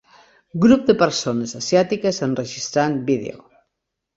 Grup de persones asiàtiques enregistrant vídeo.